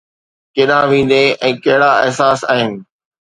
ڪيڏانهن ويندين ۽ ڪهڙا احساس آهن؟